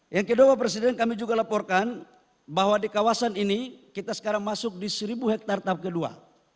yang kedua bapak presiden kami juga laporkan bahwa di kawasan ini kita sekarang masuk di seribu hektare tahap kedua